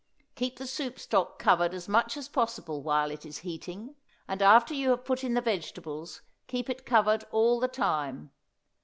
Keep the soup stock covered as much as possible while it is heating; and after you have put in the vegetables keep it covered all the time.